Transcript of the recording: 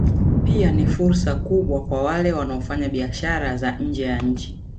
Pia ni fursa kubwa kwa wale wanaofanya biashara za nje ya nchi